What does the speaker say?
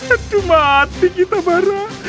aduh mati kita marah